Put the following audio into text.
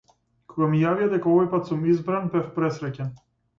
Кога ми јавија дека овој пат сум избран, бев пресреќен.